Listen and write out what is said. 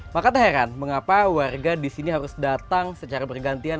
maka tak heran mengapa warga di sini harus datang secara bergantian